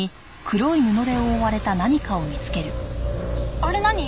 あれ何？